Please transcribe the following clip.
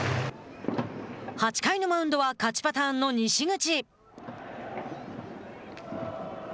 ８回のマウンドは勝ちパターンの西口。